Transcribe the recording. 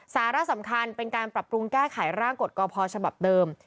สาระสำคัญเป็นการปรับปรุงแก้ไขร่างกฎกพฉบับเดิม